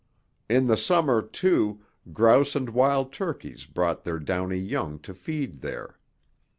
In the summer, too, grouse and wild turkeys brought their downy young to feed there.